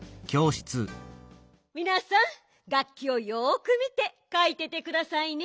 みなさんがっきをよくみてかいててくださいね。